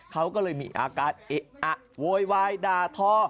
เขาก็เลยมีอาการเอะอะโวยวายด่าทอ